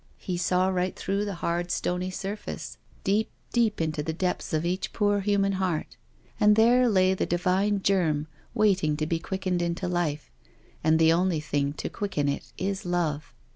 He saw right through the hard stony surface, deep, deep into the depths of each poor human heart, and there lay the divine germ waiting to be quickened into life— and the only thing to quicken it is love.